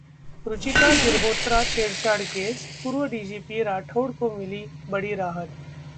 रुचिका गिरहोत्रा छेड़छाड़ केस: पूर्व डीजीपी राठौड़ को मिली बड़ी राहत